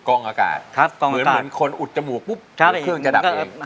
กล้องอากาศเหมือนคนอุดจมูกปุ๊บเครื่องจะดับเลย